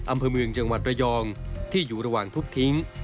อำเภอเมืองจังหวัดระยองที่อยู่ระหว่างทุบทิ้ง